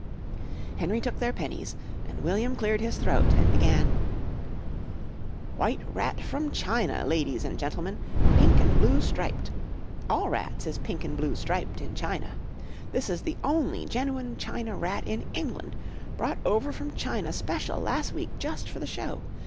Henry took their pennies and William cleared his throat and began: "White rat from China, ladies an' gentlemen, pink an' blue striped. All rats is pink an' blue striped in China. This is the only genwin China rat in England brought over from China special las' week jus' for the show.